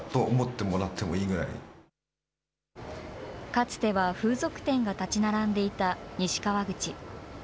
かつては風俗店が建ち並んでいた西川口。